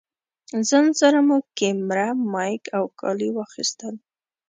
ځان سره مو کېمره، مايک او کالي واخيستل.